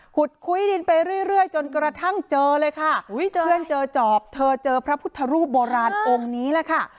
ขุดคุ้ยดินไปเรื่อยจนกระทั่งเจอเลยค่ะเพื่อนเจอจอบเธอเจอพระพุทธรูปโบราณองค์นี้แหละค่ะ